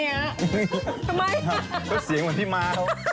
เพราะเสียงเหมือนพี่มา